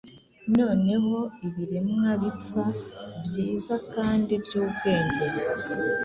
Noneho Ibiremwa bipfa, byiza kandi byubwenge,